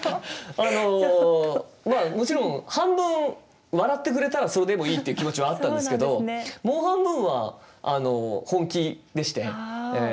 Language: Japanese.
あのまあもちろん半分笑ってくれたらそれでもいいっていう気持ちはあったんですけどもう半分は本気でして。